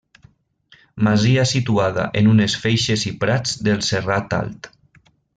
Masia situada en unes feixes i prats del Serrat Alt.